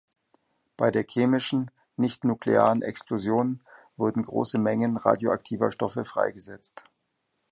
Bei der chemischen, nicht nuklearen Explosion wurden große Mengen radioaktiver Stoffe freigesetzt.